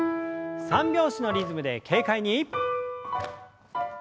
三拍子のリズムで軽快に。